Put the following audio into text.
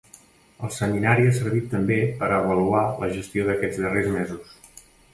El seminari ha servit també per a avaluar la gestió d’aquests darrers mesos.